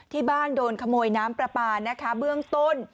ที่บ้านโดนขโมยน้ำปลานะคะเบื้องต้น